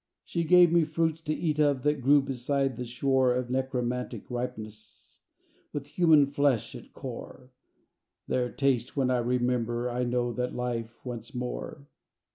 She gave me fruits to eat of That grew beside the shore, Of necromantic ripeness, With human flesh at core Their taste when I remember I know that life once more.